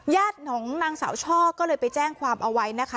ญาติของนางสาวช่อก็เลยไปแจ้งความเอาไว้นะคะ